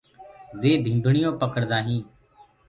وي ڀمڀڻيونٚ پڙدآ هينٚ۔